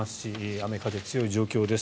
雨風強い状況です。